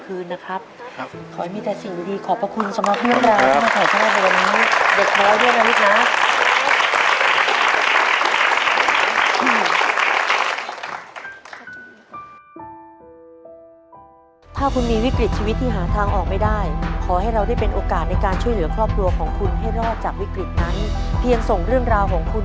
ขอขอบคุณครับทุกวันนี้เด็กพ่อด้วยนะลูกนัก